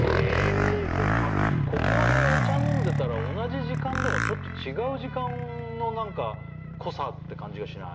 ここでお茶飲んでたら同じ時間でもちょっと違う時間の濃さって感じがしない？